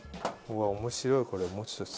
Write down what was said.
うわ面白いこれ。